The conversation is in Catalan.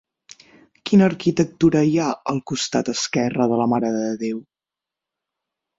Quina arquitectura hi ha al costat esquerre de la Mare de Déu?